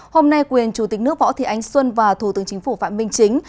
hôm nay quyền chủ tịch nước võ thị ánh xuân và thủ tướng chính phủ phạm minh chính